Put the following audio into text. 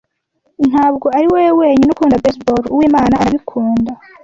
Ntabwo ari wowe wenyine ukunda baseball. Uwimana arabikunda.